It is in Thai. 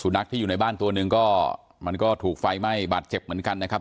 นักที่อยู่ในบ้านตัวหนึ่งก็มันก็ถูกไฟไหม้บาดเจ็บเหมือนกันนะครับ